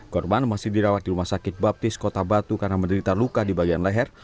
korban masih dirawat di rumah sakit baptis kota batu karena menderita luka di bagian leher